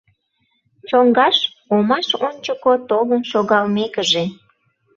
Чоҥгаш, омаш ончыко, толын шогалмекыже.